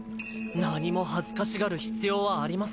何も恥ずかしがる必要はありません。